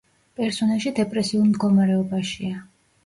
პერსონაჟი დეპრესიულ მდგომარეობაშია.